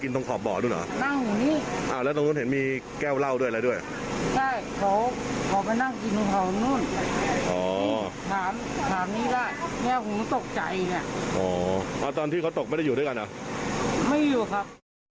ตอนที่เขาตกไม่ได้อยู่ด้วยกันเหรอไม่อยู่ครับ